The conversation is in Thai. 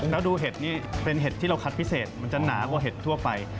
แล้วดูเห็ดนี่เป็นเห็ดที่เราคัดพิเศษมันจะหนากว่าเห็ดทั่วไป